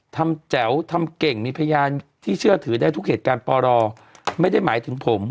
แจ๋วทำเก่งมีพยานที่เชื่อถือได้ทุกเหตุการณ์ปรไม่ได้หมายถึงผม